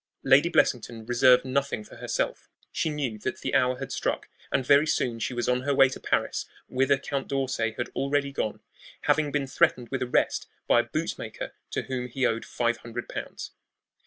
Lady Blessington reserved nothing for herself. She knew that the hour had struck, and very soon she was on her way to Paris, whither Count d'Orsay had already gone, having been threatened with arrest by a boot maker to whom he owed five hundred pounds.